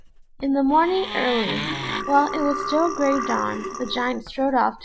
In the morning early, while it was still grey dawn, the Giant strode off to the wood.